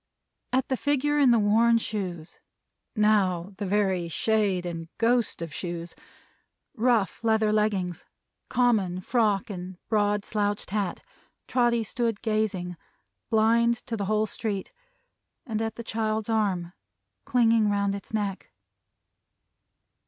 At the figure in the worn shoes now the very shade and ghost of shoes rough leather leggings, common frock and broad slouched hat, Trotty stood gazing, blind to the whole street. And at the child's arm, clinging round its neck.